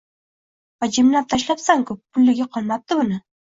Gʻijimlab tashlabsan-ku, pulligi qolmabdi buni